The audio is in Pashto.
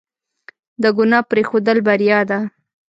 د ګناه پرېښودل بریا ده.